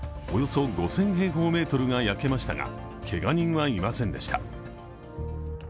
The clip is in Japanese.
およそ５０００平方メートルが焼けましたが、けが人はいませんでした。